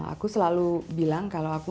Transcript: aku selalu bilang kalau aku